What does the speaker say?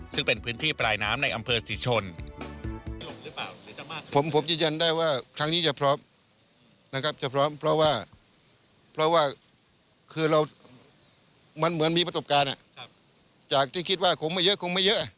ซึ่งเป็นพื้นที่ปลายน้ำในอำเภอศรีชน